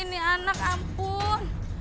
ini anak ampun